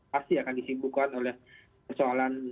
pasti akan disibukan oleh persoalan